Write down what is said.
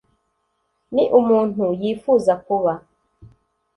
ni umuntu yifuza kuba